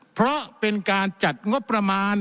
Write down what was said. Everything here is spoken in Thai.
เพราะเป็นการจัดงบประมาณ